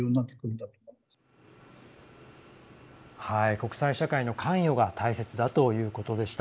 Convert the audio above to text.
国際社会の関与が大切だということでした。